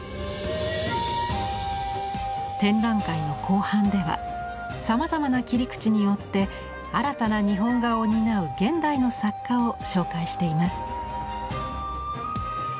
展覧会の後半ではさまざまな切り口によって新たな日本画を担う現代の作家を紹介しています。